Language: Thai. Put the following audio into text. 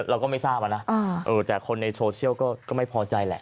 เราก็ไม่ทราบอะนะแต่คนในโซเชียลก็ไม่พอใจแหละ